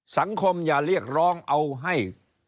สังคมอย่าเรียกร้องเอาให้